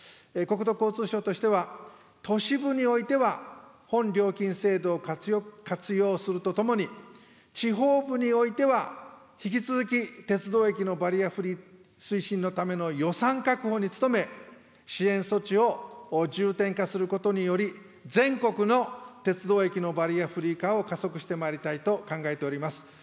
国土交通省としては、都市部においては、本料金制度を活用するとともに、地方部においては引き続き鉄道駅のバリアフリー推進のための予算確保に努め、支援措置を重点化することにより、全国の鉄道駅のバリアフリー化を加速してまいりたいと考えております。